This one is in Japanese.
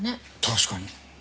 確かに。